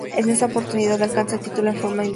En esa oportunidad alcanza el título en forma invicta.